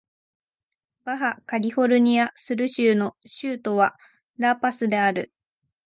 バハ・カリフォルニア・スル州の州都はラ・パスである